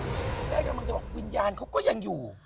คุณแม่กำลังจะบอกวิญญาณเขาก็ยังอยู่